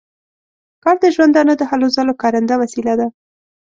کار د ژوندانه د هلو ځلو کارنده وسیله ده.